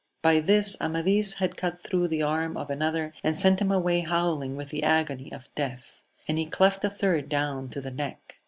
By this Amadis had cut thro' the arm of another, and sent him away howling with the agony of death ; and he cleft a third down to the neck.